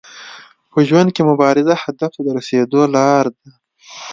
په ژوند کي مبارزه هدف ته د رسیدو لار ده.